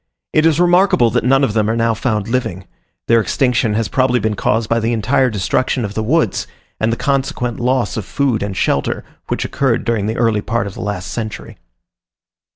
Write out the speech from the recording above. It is remarkable that none of them are now found living. Their extinction has probably been caused by the entire destruction of the woods, and the consequent loss of food and shelter, which occurred during the early part of the last century.